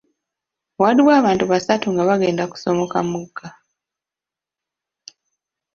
Waaliwo abantu basatu nga bagenda kusomoka mugga.